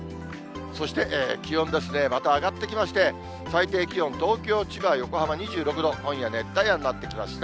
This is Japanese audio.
そして気温ですね、また上がってきまして、最低気温、東京、千葉、横浜２６度、今夜、熱帯夜になってきました。